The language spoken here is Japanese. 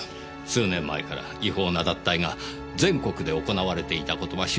数年前から違法な脱退が全国で行われていたことは周知の事実です。